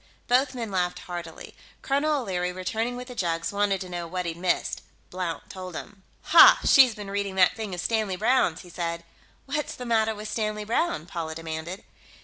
Both men laughed heartily. Colonel O'Leary, returning with the jugs, wanted to know what he'd missed. Blount told him. "Ha! She's been reading that thing of Stanley Browne's," he said. "What's the matter with Stanley Browne?" Paula demanded.